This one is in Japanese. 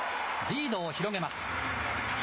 リードを広げます。